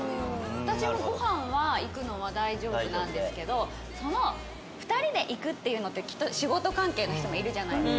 私もご飯は行くのは大丈夫なんですけどその２人で行くっていうのってきっと仕事関係の人もいるじゃないですか。